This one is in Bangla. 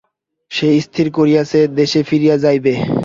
সে স্থির করিয়াছে, দেশে ফিরিয়া যাইবে।